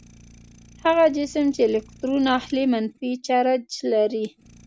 هغه جسم چې الکترون اخلي منفي چارج لري.